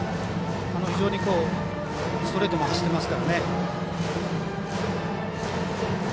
非常に、ストレートも走っていますからね。